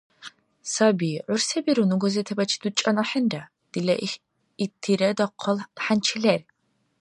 Саби, гӀур се биру, ну газетаби дучӀан ахӀенра, дила итира дахъал хӀянчи лер.